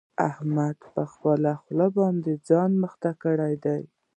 احمد په خپله خوله باندې ځان مخته کړی دی.